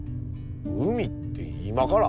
海って今から？